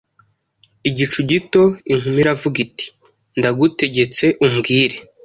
Igicu gito,' inkumi iravuga iti: 'Ndagutegetse umbwire